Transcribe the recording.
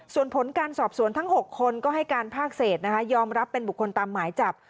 ส่วนผลการสอบสวนทั้ง๖คนก็ให้การภาคเศษนะคะยอมรับเป็นบุคคลตามหมายจับ